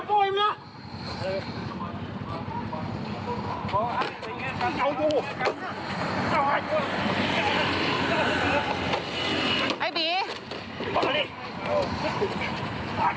โอ้ยห้าทิ้งกับพวกมันเหรอ